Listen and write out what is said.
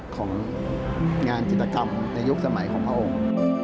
ของงานจิตกรรมในยุคสมัยของพระองค์